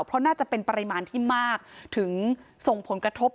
เพราะน่าจะเป็นปริมาณที่มากถึงส่งผลกระทบ